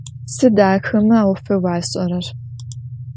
Sıd axeme 'ofeu aş'erer?